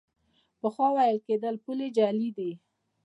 پخوا ویل کېدل پولې جعلي دي.